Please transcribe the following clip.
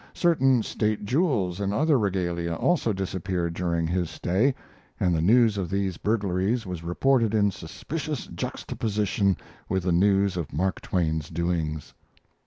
Certain state jewels and other regalia also disappeared during his stay, and the news of these burglaries was reported in suspicious juxtaposition with the news of Mark Twain's doings.